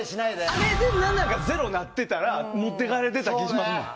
あれで７が０になってたら持っていかれてた気がします。